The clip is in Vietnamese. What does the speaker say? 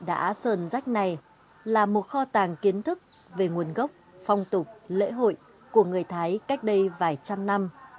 đá sơn rách này là một kho tàng kiến thức về nguồn gốc phong tục lễ hội của người thái cách đây vài trăm năm